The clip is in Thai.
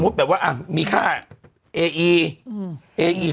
สมมุติแบบว่ามีค่าเอีอืม